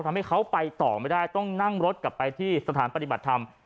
ทำให้เขาไปต่อไม่ได้ต้องนั่งรถกลับไปที่สถานปฏิบัติธรรม